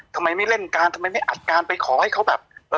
ทำไมไม่เล่นการทำไมไม่อัดการไปขอให้เขาแบบ